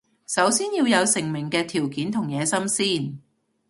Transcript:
首先要有成名嘅條件同野心先